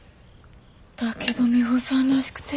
だけどミホさんらしくていい。